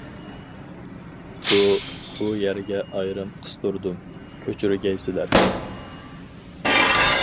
بۇ بۇ يەرگە ئايرىم قىستۇردۇم، كەچۈرگەيسىلەر.